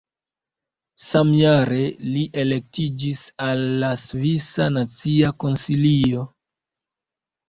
Samjare li elektiĝis al la Svisa Nacia Konsilio.